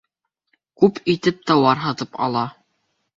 Күп итеп тауар һатып ала.